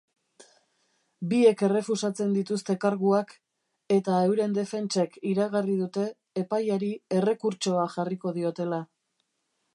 Biek errefusatzen dituzte karguak eta euren defentsek iragarri dute epaiari errekurtsoa jarriko diotela.